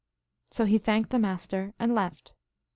So he thanked the Mas ter, and left.